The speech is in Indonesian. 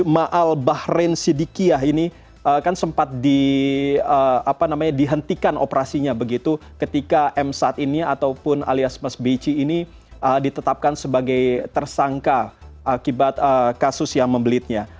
maal bahrain sidikiyah ini kan sempat dihentikan operasinya begitu ketika emsat ini ataupun alias mas beci ini ditetapkan sebagai tersangka akibat kasus yang membelitnya